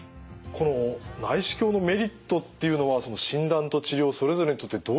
この内視鏡のメリットっていうのは診断と治療それぞれにとってどういうところが挙げられますか？